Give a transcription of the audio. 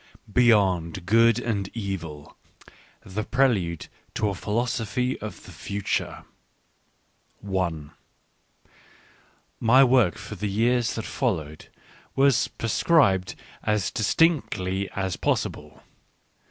"Beyond Good and Evil: The Prelude ft to a Philosophy of the Future" i My work for the years that followed was pre scribed as distinctly as possible.